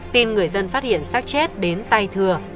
tin người dân phát hiện sát chết đến tay thưa